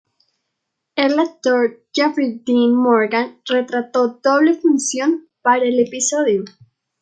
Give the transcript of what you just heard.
El actor Jeffrey Dean Morgan retrató doble función para el episodio.